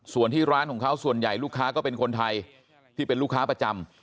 ส่วนที่ร้านของเขาส่วนใหญ่ลูกค้าก็เป็นคนไทยที่เป็นลูกค้าประจำ